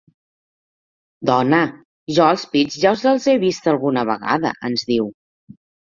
Dona, jo els pits ja us els he vist alguna vegada –ens diu.